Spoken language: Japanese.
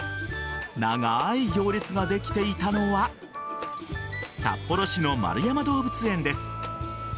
長い行列ができていたのは札幌市の円山動物園です。